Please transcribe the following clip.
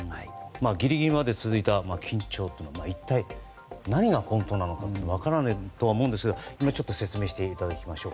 ギリギリまで続いた緊張というのは一体何が本当かは分からないとは思うんですが説明していただきましょう。